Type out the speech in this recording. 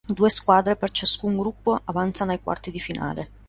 Due squadre per ciascun gruppo avanzano ai quarti di finale.